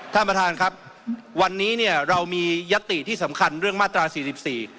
ท่านประธานครับวันนี้เนี่ยเรามียติที่สำคัญเรื่องมาตราสี่สิบสี่